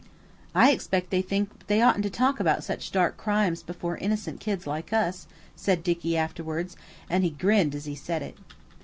"I expect they think they oughtn't to talk about such dark crimes before innocent kids like us," said Dicky afterwards, and he grinned as he said it.